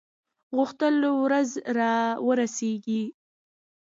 غوښتل ورځ را ورسیږي.